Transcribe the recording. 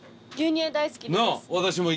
牛乳大好きです。